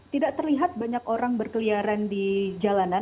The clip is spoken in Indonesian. tidak terlihat banyak orang berkeliaran di jalanan